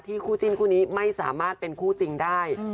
คู่จิ้นคู่นี้ไม่สามารถเป็นคู่จริงได้